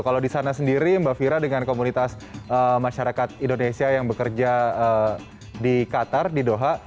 kalau di sana sendiri mbak fira dengan komunitas masyarakat indonesia yang bekerja di qatar di doha